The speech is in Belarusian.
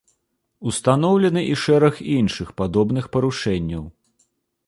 Устаноўлены і шэраг іншых падобных парушэнняў.